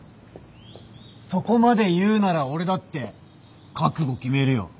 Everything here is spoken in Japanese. そこまで言うなら俺だって覚悟決めるよ。